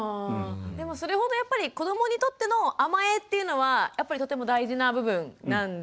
でもそれほどやっぱり子どもにとっての甘えっていうのはやっぱりとても大事な部分なんですかね？